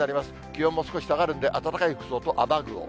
気温も少し下がるんで、暖かい服装と雨具を。